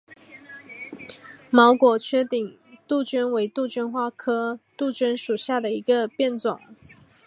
毛果缺顶杜鹃为杜鹃花科杜鹃属下的一个变种。